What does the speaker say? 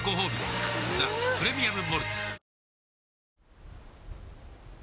「ザ・プレミアム・モルツ」